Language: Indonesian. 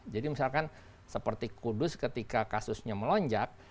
misalkan seperti kudus ketika kasusnya melonjak